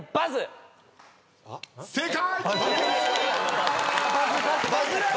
正解！